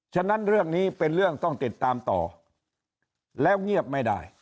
ฉะนั้นเรื่องนี้เป็นเรื่องต้องติดตามต่อแล้วเงียบไม่ได้